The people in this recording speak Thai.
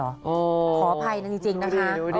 ขออภัยนะจริงนะคะ